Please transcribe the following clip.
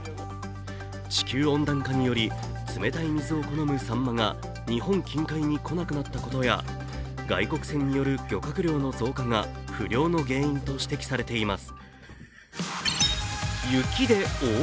地球温暖化により冷たい水を好むサンマが日本近海に来なくなったことや外国船による漁獲量の増加が不漁の原因と指摘されています。